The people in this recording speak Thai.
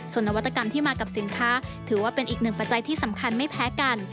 ส่วนนวัตกรรมที่มากับสินค้าถือว่าเป็นอีกหนึ่งปัจจัยที่สำคัญไม่แพ้กัน